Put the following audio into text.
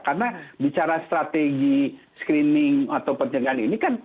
karena bicara strategi screening atau penyelenggaraan ini kan